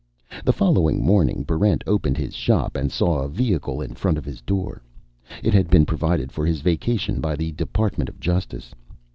The following morning, Barrent opened his shop and saw a vehicle in front of his door. It had been provided for his vacation by the Department of Justice.